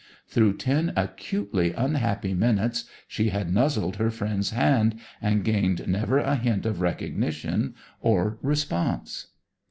Through ten acutely unhappy minutes she had nuzzled her friend's hand, and gained never a hint of recognition or response.